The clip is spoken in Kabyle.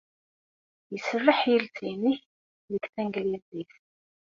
Iserreḥ yiles-nnek deg tanglizit.